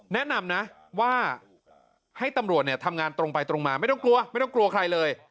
แนะนำนะว่าให้ตำรวจเนี่ยทำงานตรงไปตรงมาไม่ต้องกลัวไม่ต้องกลัวใครเลย